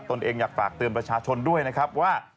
เองอยากฝากเตือนประชาชนด้วยนะครับว่า